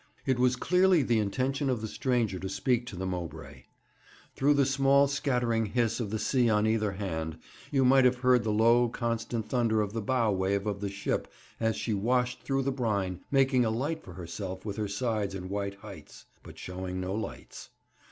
It was clearly the intention of the stranger to speak the Mowbray. Through the small scattering hiss of the sea on either hand you might have heard the low, constant thunder of the bow wave of the ship as she washed through the brine, making a light for herself with her sides and white heights, but showing no lights.